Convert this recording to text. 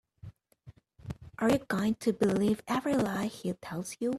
Are you going to believe every lie he tells you?